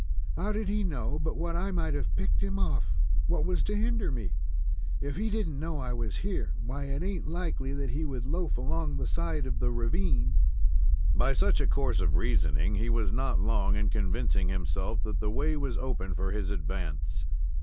"How did he know but what I might have picked him off? What was to hinder me? If he did n't know I was here, why, it ain't likely that he would loaf along the side of the ravine." By such a course of reasoning, he was not long in convincing himself that the way was open for his advance.